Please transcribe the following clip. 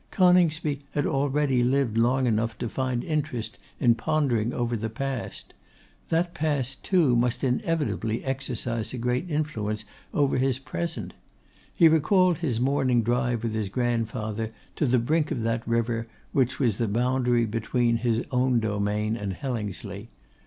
Coningsby had already lived long enough to find interest in pondering over the past. That past too must inevitably exercise a great influence over his present. He recalled his morning drive with his grandfather, to the brink of that river which was the boundary between his own domain and Hellingsley.